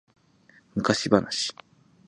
昔話